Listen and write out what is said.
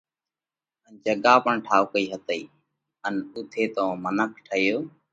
ان جڳا پڻ جوم ٺائُوڪئي هتئي ان اُوٿئہ تون منک ٺيو